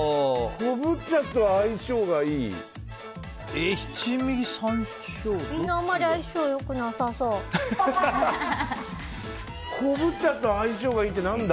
昆布茶と相性がいいって何だ。